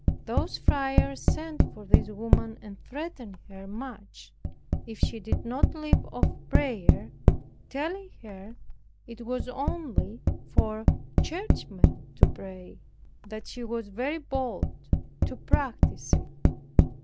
Those friars sent for this woman, and threatened her much if she did not leave off prayer, telling her it was only for churchmen to pray, and that she was very bold to practice it.